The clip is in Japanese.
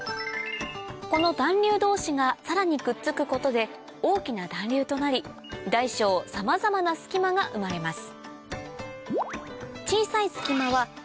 この団粒同士がさらにくっつくことで大きな団粒となり大小さまざまな隙間が生まれます